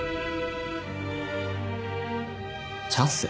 チャンス？